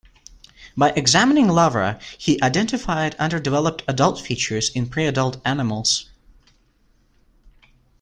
By examining larvae, he identified underdeveloped adult features in pre-adult animals.